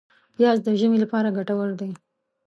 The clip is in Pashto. پیاز د ژمي لپاره ګټور دی